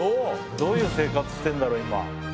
どういう生活してんだろう今。